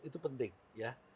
itu penting ya